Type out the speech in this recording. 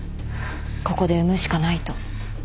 ここで産むしかないと。